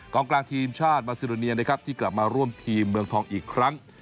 กลางกลางทีมชาติมาซิโรเนียนะครับที่กลับมาร่วมทีมเมืองทองอีกครั้ง